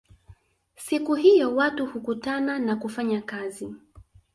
Siku hiyo watu hukutana na kufanya kazi